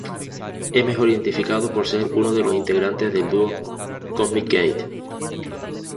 Es mejor identificado por ser uno de los integrantes del dúo Cosmic Gate.